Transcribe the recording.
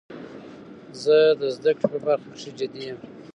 زه د زده کړي په برخه کښي جدي یم.